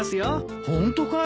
ホントかい？